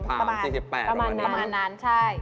อันนี้๑๗๐กรัม๔๐ซัมติงประมาณ๔๘บาทใช่